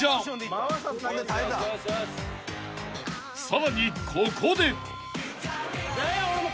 ［さらにここで］